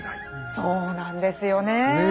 そうなんですよねえ。